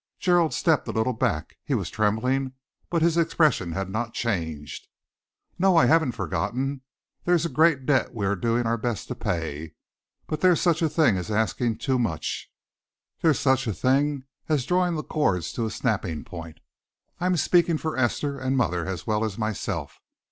Gerald stepped a little back. He was trembling, but his expression had not changed. "No, I haven't forgotten. There's a great debt we are doing our best to pay, but there's such a thing as asking too much, there's such a thing as drawing the cords to snapping point. I'm speaking for Esther and mother as well as myself.